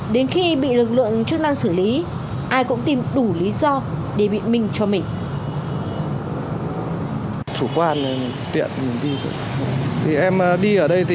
đến khi bị lực lượng chức năng xử lý ai cũng tìm đủ lý do để biện minh cho mình